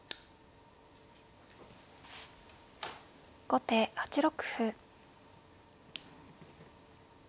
後手８六歩。